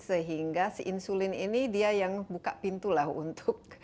sehingga si insulin ini dia yang buka pintu lah untuk